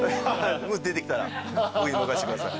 もし出てきたら僕に任してください。